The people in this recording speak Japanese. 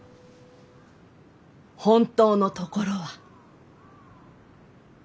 本当のところは？